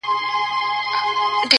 o درد کور ټول اغېزمن کوي تل,